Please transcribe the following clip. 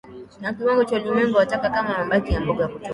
kwa kiwango cha ulimwengu kwa taka kama mabaki ya mboga kutoka